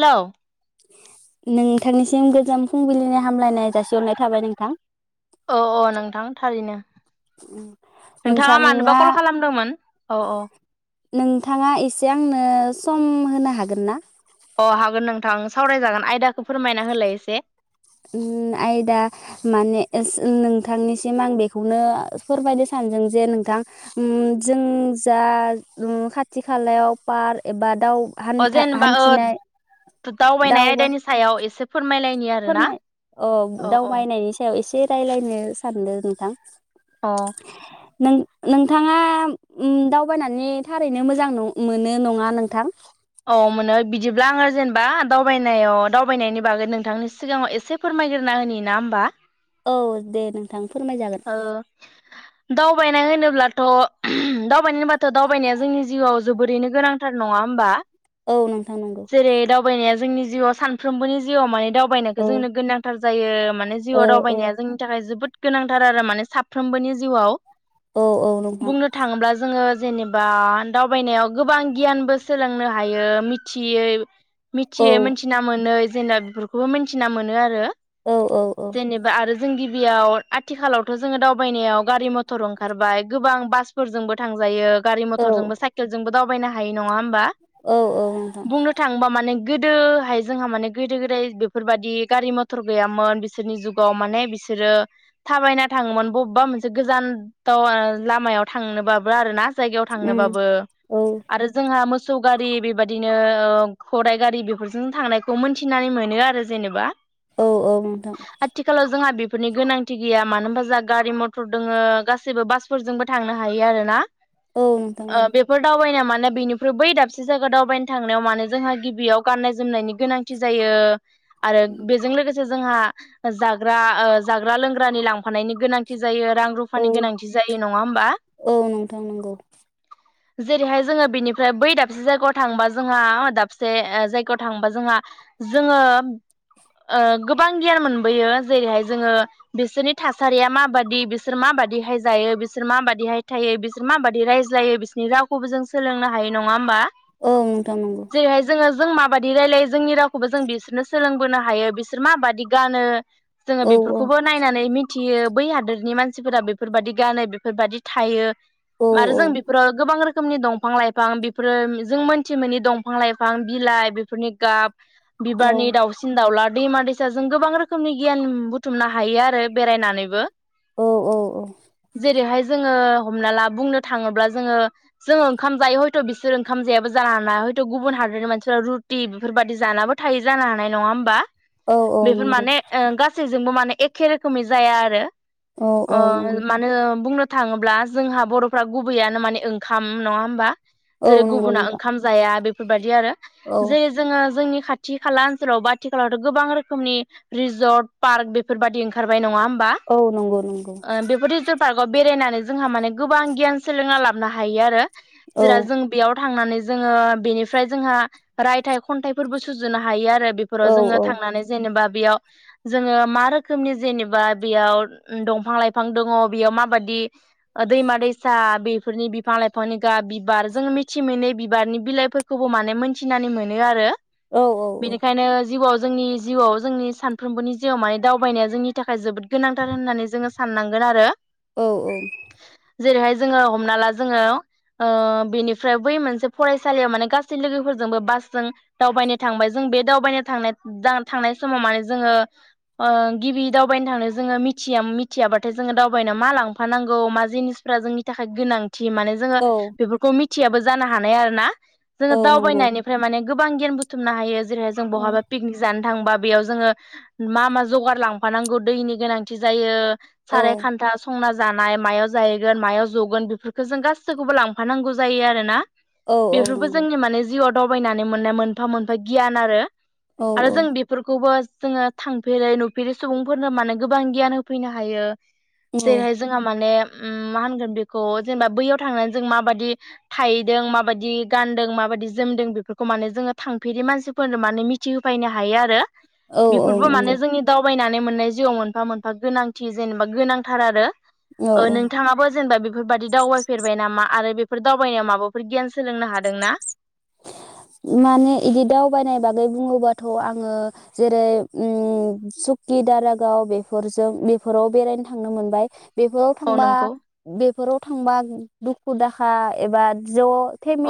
Hello नोंथांनिसिम गोजोन फुंबिलिनि हामलायनाय जासिहरनाय थाबाय नोंथां औ औ नोंथां थारैनो नोंथाङा मानोबा कल खालामदोंमोन औ औ नोंथाङा एसे आंनो सम होनो हागोन ना? अ हागोन नोंथां सावरायजागोन आयदाखौ फोरमायना होलाय एसे ओम आइदा माने नोंथांनिसिम आं बेखौनो फोरमायनो सानदों जे नोंथां ओम जों जा खाथि खालायाव पार एबा दाउ अ जेनेबा ओ दावबायनाय दावबा आयदानि सायाव एसे फोरमायलाय फोरमाय अ दावबायनायनि सायाव एसे रायलायनो सानदों नोंथां अह नों नोंथाङा ओम दावबायनायनि थारैनो मोजां न' मोनो नङा नोंथां औ मोनो बिदिब्ला आङो जेनेबा दावबायनायाव दावबायनायनि बागै नोंथांनि सिगाङाव एसे फोरमायग्रोनना होनि ना होमबा औ दे नोंथां फोरमायजागोन ओ दावबायनाय होनोब्लाथ' दावबायनो होनबाथ' दावबायनाया जोंनि जिउआव जोबोरैनो गोनांथार नङा होमबा। औ नोंथां नंगौ नाया जोंनि जिउआव सानफ्रोमबोनि जिउआव माने दाव दावबायनायखौ औ जोंनो गोनांथार जायो माने औ जिउआव औ दावबायनाया जोंनि थाखाय जोबोद गोनांथार आरो माने साफ्रोमबोनि जिउआव औ औ नोंथां बुंनो थाङोब्ला जोङो जेनेबा दावबायनायाव गोबां गियानबो सोलोंनो हा हायो मिथियै औ मिथियै मिथिना मोनै जेनेबा बेफोरखौबो मिथिना मोनो आरो औ औ औ जेनेबा आरो जोंनि बेयाव आथिखालावथ' जोङो दावबायनायाव गारि मथर ओंखारबाय गोबां बासफोरजोंबो थांजायो। गारि औ मथरजोंबो साइकेलजोंबो दावबायनो हायो नङा होमबा औ औ नोंथां बुंनो थांङोबा माने गोदोहाय जोंहा माने गोदो गोदाय बेफोरबायदि गारि मथर गैयामोन बिसोरनि जुगाव माने बिसोरो थाबायना थाङोमोन बबेबा मोनसे गोजानदाव लामायाव थांनोबाबो आरोना। जायगायाव थांनो उम बाबो औ आरो जोंहा मोस सौगारि बेबायदिनो ओ धराइ गारि बेफोरजों थांनायखौ मोनथिनानै मोनो आरो जेनेबा। औ औ नोंथां। फोरनि गोनांथि गैया मानो होनबा जोंहा गारि मथर दोङो गासैबो बासफोरजोंबो थांनो हायो आरोना। औ नोंथां ओ औ बेफोर दावबायनायाव माने बेनिफ्रु बै दाबसे जायगा दावबायनो थांनायाव मानो जोंहा गिबियाव गाननाय जोमनायनि गोनांथि जायो। आरो बेजों लोगोसे जोंहा जाग्रा ओ जाग्रा लोंग्रानि लांफानायनि गोनांथि जों जायो रां रुफानि औ गोनांथि जायो नङा होमबा? औ नोंथां नंगौ जेरैहाय जोङो बेनिफ्राय बै दाब से जायगायाव थांबा जोंहा दाबसे जायगायाव थांबा जोंहा जोङो ओ गोबां गियान मोनबोयो जेरैहाय जोङो बिसोरनि थासारिया माबादि, बिसोर माबादिहाय जायो, बिसोर माबादिहाय थायो, बिसोर माबादि रायज्लायो, बिसोरनि रावखौबो जों सोलोंनो हायो नङा होमबा? औ नोंथां नंगौ जेरैहाय जोङो जों माबादि रायलायो जोंनि रावखौबो जों बिसोरनो सोलोंबोनो हायो बिसोर माबादि गानो जोङो औ बेफोरखौबो नायनानै मिथियो बै हादोरनि मानसि सिफोरा बेफोरबायाददि गानो बेफोरबायदि थायो। औ आरो जों बेफोराव गोबां रोखोम खोमनि दंफां लाइफां बेफोरो जों मोनथिमोनि दंफां लाइफां बिलाइ बेफोरनि गाब औ बिबारनि दाउसिन दाउला दैमा दैसाजों गोबां रोखोमनि गियान बुथुमनो हायो आरो बेरायनानैबो। औ औ औ। जेरैहाय जोङो हमना ला बुंनो थाङोब्ला जोङो जोङो ओंखाम जायो हयथ' बिसोर ओंखाम जायाबो जानो हानाय। हयथ' गुबुन हादरनि मानसिफ्रा रुटि बेफोरबायदि जानाबो थायो जानो हानाय नङा होमबा? औ औ बेफोर नंगौ माने ओ गासैजोंबो माने एखे रोखोमै जाया आरो। औ अ औ नंगौ मानो बुंनो थाङोब्ला जोंहा बरफ्रा गुबैयानो माने ओंखाम नङा होमबा? औ जेरै नंगौ गुबुना नोंथां ओंखाम जाया बे फोरबादि दि आरो। औ जेरै जों जोंनि खाथि खाला ओनसोलाव बा आथिखालावथ' गोबां रोखोमनि रिजर्ट पार्क बेफोरबायदि ओंखारबाय नङाहोम बा औ नंगौ नंगौ ओ बेफोर रिजर्ट पार्कआव बेरायनानै जोंहा माने गोबां गियान सोलोंना लाबनो हायो आरो औ [unintelligible] जों थांनानै जोङो बेनिफ्राय जोंहा रायथाइ खन्थाइफोरबो सुजुनो हायो आरो बेफोराव औ जोङो औ थांनानै जेनेबा बेयाव जोङो मा रोखोमनि जेनेबा बेयाव दंफां लाइफां दङ बेयाव माबायदि दैमा दैसा बेफोरनि बिफां लाइफांनि गाब बिबार जोङो मिथि मिथि मोनै बिबारनि बिलाइफोरखौबो माने मोनन्थिनानै मोनो आरो औ बेनिखायनो जिउआव जोंनि जिउआव जोंनि सानफ्रोमबोनि जिउआव माने दावबायनाया जोंनि थाखाय जोबोद गोनांथार होननानै जोङो साननांगोन आरो औ-औ जेरैहाय जोङो हमना ला जोङो ओ बेनि ओमफ्राय बै मोनसे फरायसालियाव माने गासै लोगोफोरजोंबो बासजों दावबायनो थांबाय जों बे दावबायनो थांनाय थांनाय समाव माने जोङो गिबि दावबायनो थांनो जोङो मिथिया मिथियाबाथाय जोङो दावबायनायाव मा लांफानांगौ मा जिनिसफ्रा जोंनि थाखाय गोनां थि माने जोङो औ बेफोरखौ मिथि थियाबो जानो हानाय आरोना जोङो औ नंगौ दावबायनायनिफ्राय माने गोबां गियान बुथुमनो हायो जेरैहाय जों औ बहाबा पिकनिक जानो थांबा बेयाव जोङो मा मा जगार लांफानांगौ दैनि गोनांथि जायो औ सारायखानथा संना जानाय मायाव जाहैगोन मायाव जगोन बेफोरखौ जों गासैखौबो लांफानांगौ जायो आरो ना औ औ बेफोरबो नंगौ जोंनि माने जिउआव दावबायनानै मोननाय मोनफा मोनफा गियान आरो औ आरो जों बेफोरखौबो जोङो थांफेरै नुफेरै सुबुंफोरनो माने गोबां गियान होफैनो हायो जेरैहाय औ जोंहा माने उम मा होनगोन बेखौ जेनेबा बैयाव थांनानै जों माबायदि थाहैदों माबायदि गानदों माबायदि जोमदों बेफोरखौ माने जोङो थांफेरि मानसिफोरनो माने मिथिहोफायनो हायो आरो औ औ बेफोरबो माने नंगौ जोंनि दावबायनानै मोननाय जिउआव मोनफा-मोनफा गोनांथि जेनेबा गोनांथार औ आरो औ नोंथाङाबो जेनेबा बे बेफोरबायदि दावबायफेरबाय नामा आरो बे फोर दावबायनायाव माबाफोर गियान सोलोंनो हादोंना माने इदि दावबायनाय बागै बुङोबाथ आङो जेरै सुकि दारागाव बेफोरजों बेफोराव बेरायनो थांनो मोनबाय बेफोराव औ थांबा नंगौ बेफोराव थांबा दुखु दाहा एबा ज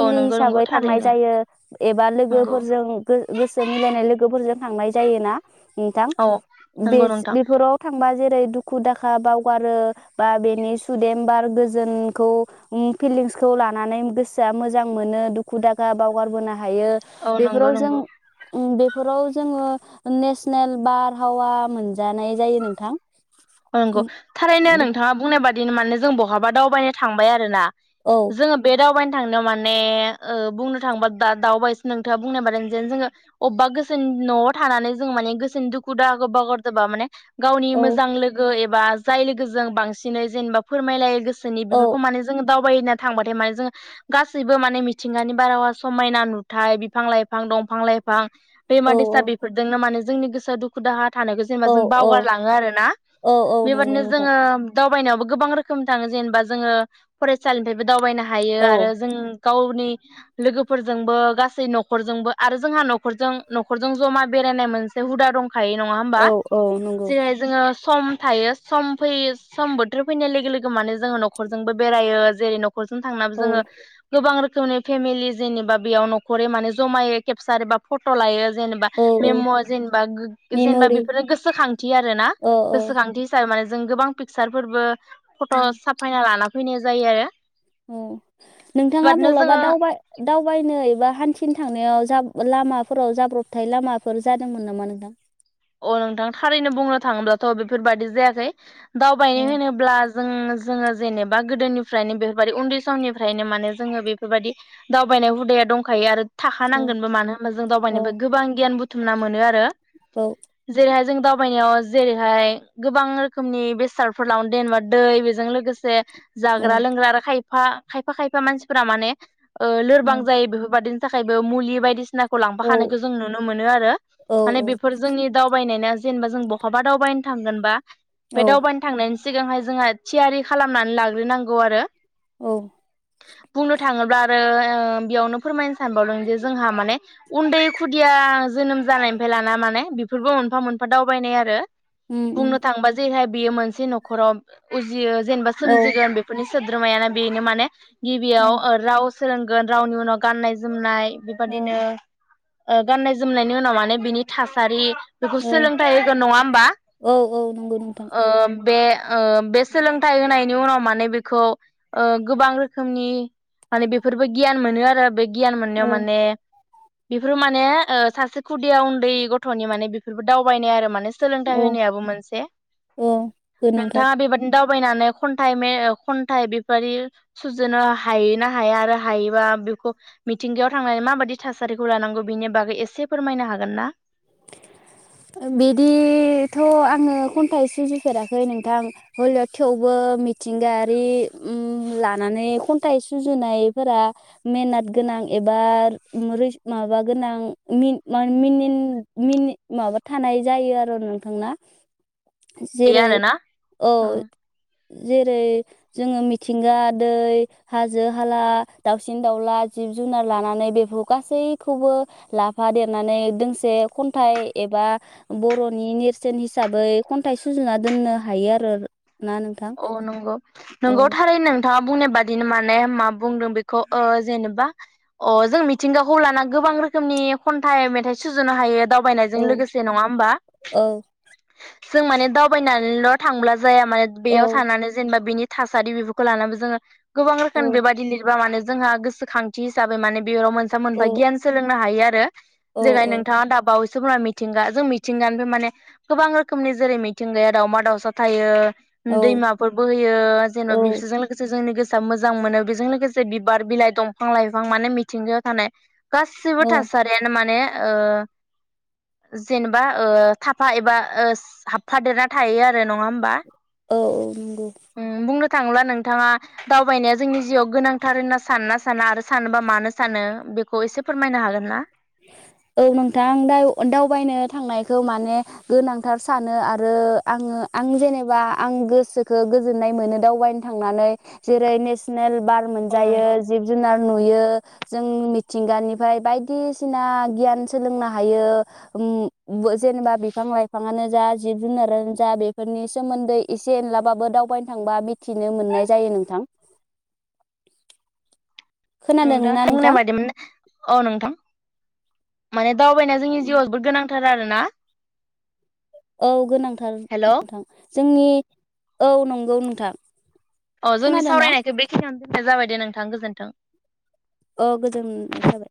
औ नंगौ नंगौ हिसाबै थांनाय थारैनो जायो एबा नंगौ लोगोफोरजों गोसो मिलायनाय लोगोफोरजों थांनाय जायोना। नोंथां औ नंगौ नोंथां बेफोराव थांबा जेरै दुखु दाहा बावगारो बा बेनि सुदेम बार गोजोनखौ फिलिंसखौ लानानै गोसोआ मोजां मोनो दुखु दाखा बाव [unintelligible] हायो औ नंगौ बेफोराव जों नंगौ बे बेफोराव जोङो नेसनेल बारहावा मोनजानाय जायो नोंथां। ओ नंगौ थारैनो नोंथाङा बुंनाय बादि दिनो माने जों बहाबा दावबायनो थांबाय आरो ना। औ जोङो बे दावबायनो थांनो माने, ओ बुंनो थांबा दा दावबायस नोंथाङा बुंनाय बा दा नोंजोंनो जोङो। अबेबा गोसोनि न'आव थानानै जों माने गोसोनि दुखु दाहाखौ बावगार जोबा माने गावनि औ मोजां लोगो। ओ एबा जाय लोगोजों बांसिनै जेनेबा फोरमायलायो गोसो सोनि औ बेफोरखौ माने जोङो। दावबायनो थांबाथाय माने जोङो गासैबो माने मिथिंगानि बारहावा समायना नुथाय बिफां लाइफां दंफां लाइफां दैमा औ दैसा बेफोरदोंनो माने जोंनि गोसोआ दुखु दाहा। थानायखौ जेनेबा औ जों बावगारलाङो आरोना। औ औ नंगौ बेबादिनो नोंथां जोङो। दावबायनायावबो गोबां रोखोम थाङो जेनेबा, जोङो फरायसालिनिफ्रायबो‌ दावबायनो हायो औ आरो जों। गावनि लोगोफोरजोंबो गासै न'खरजोंबो आरो जोंहा न'खरजों न'खरजों जमा बेरायनाय मोनसे हुदा दं। थायो नङा होमबा, औ औ नंगौ जेरै जोङो सम थायो सम फैयो सम बोथोर फैनाय लोगो लोगो माने जोङो न'खरजोंबो बेरायो जेरै नख खरजों थांनाबो औ जोङो गोबां रोख खौनो फेमिलि जेनेबा बेयाव न'खरै माने जमायै केपसार एबा फट' लायो। जेनेबा औ औ मेम' जेनेबा गो जेनेबा मेमरि बेफोरनो गोसोखांथि आरो ना। औ थायो माने जों गोबां पिकसारफोरबो फट' साफायना लाना। फैनाय जायो आरो। ओ नोंथाङा बादनो बलाबा जोङो दावबाय दावबायनो एबा हान्थि थिं थांनायाव जाब लामाफोराव जाब्रबथाय लामाफोर जादोंमोन नामा नोंथां? अ नोंथां थारैनो बुंनो थाङोब्लाथ' बेफोरबायदि जायाखै। औ दावबायनो होनोब्ला जों जोङो जेनेबा गोदोनिफ्रायनो बेफोरबायदि उन्दै समनिफ्रायनो माने जोङो बेफोरबायदि दावबायनाय हुदाया दंखायो। आरो औ थाखानांगोनबो मानो होनबा जों दावबायनो गोबां गियान बु थुमना मोनो आरो। औ। जेरैहाय जों दावबायनायाव जेरैहाय गोबां रोखोमनि बेसादफोर लाङो जेनेबा दै बेजों लोगोसे जाग्रा औ लोंग्रा आरो खाय फा खायफा खायफा मानसिफोरा माने ओ लोरबां जायो बेफोरबादिनो थाखायबो मुलि बायदिसिना खौ लांफा औ खानायखौ जों नुनो मोनो आरो। माने बेफोर जोंनि दावबायनायना जेनेबा जों बहाबा दावबायनो थांगोनबा बे औ दावबायनो थांनायनि सिगांहाय जोंहा थियारि खालामनानै लाग्रोनांगौ आरो। बुंनो थांङोब्ला ओ बेयावनो फोरमायनो सानबावदों दि जोंहा माने उन्दै खुदिया जोनोम जानायनिफ्राय लाना माने बेफोरबो मोनफा मोनफा दावबायनाय आरो। उम बुंनो उम थांबा जेहे बेयो मोनसे नखराव उ जियो जेनेबा औ सोमजिगोन बेफोरनि सोद्रोमायानो बेनो माने गिबियाव उम ओ राव सोलोंगोन रावनि उनाव गाननाय जोमनाय बेबादिनो उम ओ गाननाय जोमनायनि उनाव माने बिनि थासारि बेखौ औ सोलोंथाइ होगोन नङा होमबा। औ औ नंगौ नोंथां ओम बे ओ बे सोलोंथाइ होनायनि उनाव माने बेखौ ओ गोबां रोखोमनि माने बेफोरबो गियान मोनो आरो बे गियान मोननायाव औ माने बेफोरो माने ओ सासे खुदिया उन्दै गथ'नि माने बेफोरबो दावबायनाय आरो माने सोलोंथाइ औ होनायाबो मोनसे। औ गोनांथार नोंथाङा बे बायदिनो दाव बायनानै खन्थाइ मे ओ खन्थाइ बेबादि सुजुनो हायो ना हाया आरो हायोबा बेखौ मिथिंगायाव थांनानै माबाददि थासारिखौ लानांगौ बेनि बागै एसे फोरमायनो हागोन ना? बिदिथ' आङो खन्थाइ सुजुफेराखै नोंथां हलिय' थेवबो मिथिंगायारि उम लानानै खन्थाइ सुजुनायफोरा मेनोथ गोनां एबा माबा गोनां मिनिन मिनि माबा थानाय जायो आरो नोंथां ना। हायो जेरै आरोना औ। जेरै जोङो मिथिंगा दै हाजो हाला दाउसिन दाउला जिब जुनार लानानै बे गासैखौबो लाफा देरनानै दोंसे खन्थाइ एबा बर'नि नेरसोन हिसाबै खन्थाइ सुजुना दोननो हायो आरो। ना नोंथां औ नंगौ औ नंगौआव थारैनो नों थांङा बुंनाय बादिनो माने मा बुंदों बेखौ ओ जेनेबा अ जों मिथिंगाखौ लाना गोबां रोखोमनि खन्थाइ मेथाइ सुजुनो हायो। दावबायनायजों औ लोगोसे नंङा होमबा। औ जों माने दावबायनानैल' थांब्ला जाया मा बेयाव औ थानानै जेनेबा बिनि थासारि बेफोरखौ लानानैबो जोङो गोबां औ रोखोम बेबायदि लिरबा माने जोंहा गोसोखांथि हिसाबै माने बेयाव मोनसे औ मोनफा गियान सोलोंनो हायो आरो। औ जेगाय नोंथाङा दाबाव जोफोरा मिथिंगा जों मिथिंगानिफ्राय माने गोबां रोखोमनि जेरै मिथिंगाया दावमा दाउसा थायो दैमाफोर बोहैयो जेनेबा औ बेसोरजों लोगोसे जोंनि गो सोआ मोजां मोनो बेजों लोगोसे बिबार बिलाइ दंफां लाइफां माने मिथिंगायाव थानाय गासिबो औ थासारियानो माने ओ जेनेबा ओ थाफा एबा ओ हाबफादेरना थायो आरो नङा होमबा। औ औ नंगौ। उम बुंनो थाङोब्ला नोंथाङा दावबायनाया जोंनि जिउआव गोनांथार होनना साननोना साना आरो सानोबा मानो सानो बेखौ एसे फोरमायनो हागोन ना। औ नोंथां दावबायनो थांनायखौ माने गोनांथार सानो आरो आङो आं जेनेबा आं गोसोखौ गोजोननाय मोनो दावबायनो थांनानै जेरै नेसनेल बार औ मोनजायो नंगौ जिब जुनार नुयो जों मिथिंगानिफ्राय बायदिसि सिना गियान सोलोंनो हायो जेनेबा बिफां लाइफाङानो जा जिब जुनारानो जा बेफोरनि सोमोन्दै एसे एनलाबाबो दावबायनो थांबा मिथिनो मोननाय जायो नोंथां। खोनादों नोंथां ना बुंनायबायदिमोन औ नोंथां । माने दावबायनाया जोंनि जिउआव जोबोर गोनां। थार आरोना। औ गोनां। थार हेल' नोंथां। जोंनि औ नंगौ नोंथां। अ जोंनि खोनादों ना सावरायनायखौ बेखिनियावनो दोननाय जाबाय दे नोंथां गोजोन्थों। ओ गोजोननाय थाबाय।